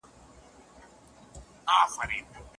ښځې په ساینسي څېړنو کي د نړۍ په کچه لویې بریاوې ترلاسه کړې دي